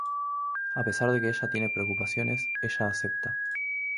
A pesar de que ella tiene preocupaciones, ella acepta.